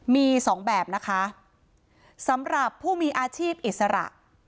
มีสองแบบนะคะสำหรับผู้มีอาชีพอิสระ